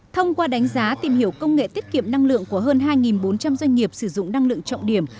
thông qua đánh giá tìm hiểu công nghệ tiết kiệm năng lượng của hơn hai bốn trăm linh doanh nghiệp sử dụng năng lượng trọng điểm